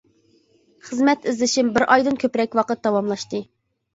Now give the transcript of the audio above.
خىزمەت ئىزدىشىم بىر ئايدىن كۆپرەك ۋاقىت داۋاملاشتى.